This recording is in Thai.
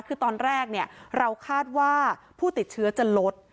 คือตอนแรกเราคาดว่าผู้ติดเชื้อจะลด